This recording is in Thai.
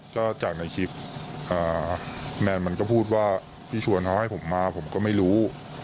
ก็จากในคลิปแมนมันก็พูดว่าพี่ชวนเขาให้ผมมาผมก็ไม่รู้